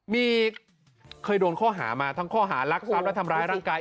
มีเคยโดนข้อหามาทั้งข้อหารักทรัพย์และทำร้ายร่างกาย